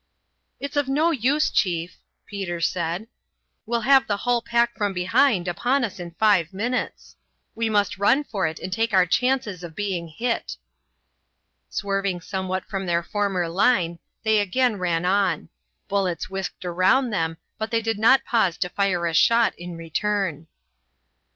"It's of no use, chief," Peter said. "We'll have the hull pack from behind upon us in five minutes. We must run for it and take our chances of being hit." Swerving somewhat from their former line, they again ran on; bullets whisked round them, but they did not pause to fire a shot in return.